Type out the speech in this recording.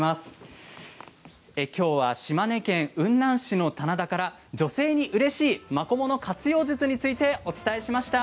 今日は島根県雲南市の棚田から、女性にうれしいマコモの活用術についてお伝えしました。